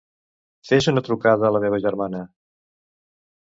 Fes una trucada a la meva germana.